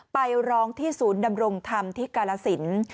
ไปร้องที่ศูนย์ดำรงธรรมที่กาลสิน